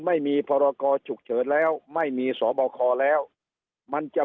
ไม่มีพรกรฉุกเฉินแล้วไม่มีสบคแล้วมันจะ